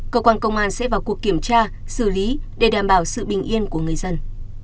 cơ quan công an sẽ vào cuộc kiểm tra xử lý để đảm bảo sự bình yên của người dân